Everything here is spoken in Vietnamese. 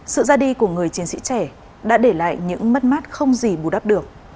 sự ra đi của người chiến sĩ trẻ đã để lại những mất mát không gì bù đắp được